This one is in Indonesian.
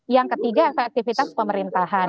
yang ketiga efektivitas pemerintahan